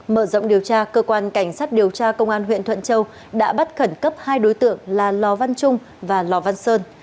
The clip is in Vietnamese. mở rộng điều tra cơ quan cảnh sát điều tra công an huyện thuận châu đã bắt khẩn cấp hai đối tượng là lò văn trung và lò văn sơn